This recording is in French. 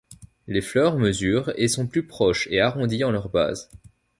Les fleurs mesurent et sont plus proches et arrondies en leur base.